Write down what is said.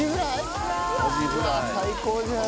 うわ最高じゃん。